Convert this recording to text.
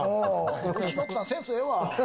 うちの奥さん、センスええわ。